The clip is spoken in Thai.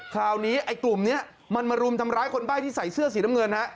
คราวนี้ไอ้กลุ่มนี้มันมารุมทำร้ายคนใบ้ที่ใส่เสื้อสีน้ำเงินฮะ